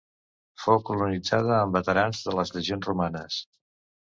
Fou colonitzada amb veterans de les legions romanes.